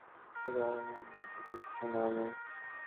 তোমাকে চোখের আড়াল হতে দিচ্ছি না আমি।